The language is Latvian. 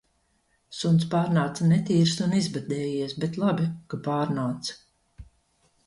Suns pārnāca netīrs un izbadējies, bet labi, ka pārnāca